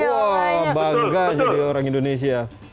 wah bangga jadi orang indonesia